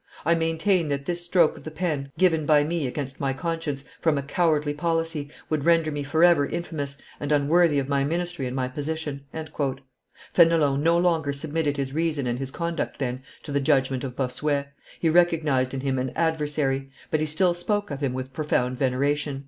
I maintain that this stroke of the pen, given by me against my conscience, from a cowardly policy, would render me forever infamous, and unworthy of my ministry and my position." Fenelon no longer submitted his reason and his conduct, then, to the judgment of Bossuet; he recognized in him an adversary, but he still spoke of him with profound veneration.